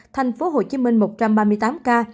thành phố hồ chí minh một trăm ba mươi tám ca